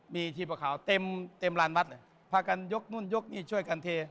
มีชีพขาวเต็มล้านวัดพากันยกนู่นยกนี่ช่วยการเท